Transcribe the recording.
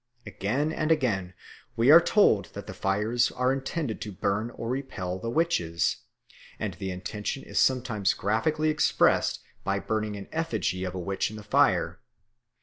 Again and again we are told that the fires are intended to burn or repel the witches; and the intention is sometimes graphically expressed by burning an effigy of a witch in the fire.